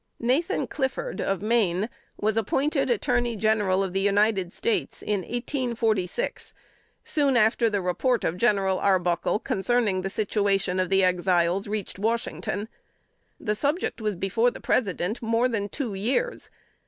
Nathan Clifford, of Maine, was appointed Attorney General of the United States in 1846, soon after the report of General Arbuckle concerning the situation of the Exiles reached Washington. The subject was before the President more than two years.